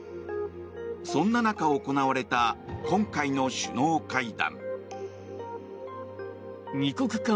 そんな中、行われた今回の首脳会談。